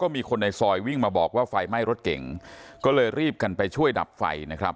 มีคนในซอยวิ่งมาบอกว่าไฟไหม้รถเก่งก็เลยรีบกันไปช่วยดับไฟนะครับ